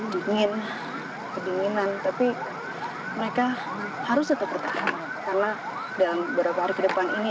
dingin kedinginan tapi mereka harus tetap bertahan karena dalam beberapa hari ke depan ini